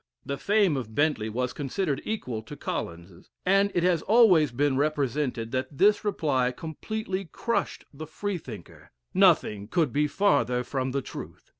The fame of Bentley was considered equal to Collins's; and it has always been represented that this reply completely crushed the Freethinker nothing could be farther from the truth.